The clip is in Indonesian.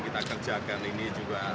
kita kerjakan ini juga